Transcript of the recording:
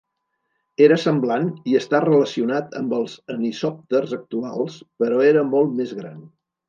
Era semblant i està relacionat amb els anisòpters actuals, però era molt més gran.